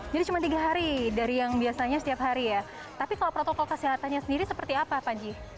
jadi cuma tiga hari dari yang biasanya setiap hari ya tapi kalau protokol kesehatannya sendiri seperti apa panji